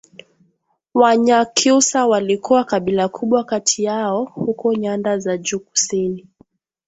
Wanyakyusa walikuwa kabila kubwa kati yao huko nyanda za juu kusini